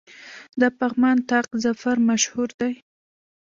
د پغمان طاق ظفر مشهور دی